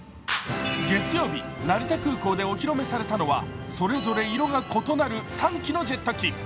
月曜日、成田空港でお披露目されたのはそれぞれ色が異なる３機のジェット機。